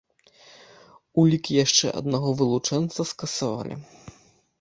Улік яшчэ аднаго вылучэнца скасавалі.